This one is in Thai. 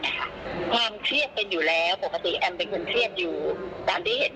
ความเครียดกันอยู่แล้วปกติแอมเป็นคนเครียดอยู่ตามที่เห็น